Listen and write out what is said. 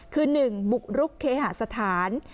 คือหนึ่งบุกรุกเคหาสถาน